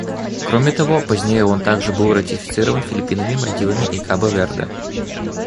Кроме того, позднее он также был ратифицирован Филиппинами, Мальдивами и Кабо-Верде.